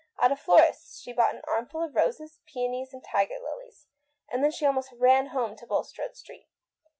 At a florist's she bought an armful of roses, peonies, and tiger lilies ; and then she almost ran home to Bulstrode Street.